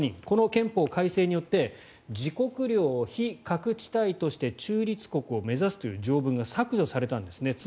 この憲法改正によって自国領を非核地帯として中立国を目指すという条文が削除されたんですね。